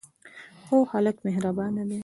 هو، خلک مهربانه دي